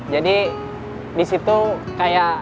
jadi di situ kayak